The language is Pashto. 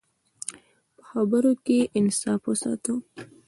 په خبرو کې انصاف وساته.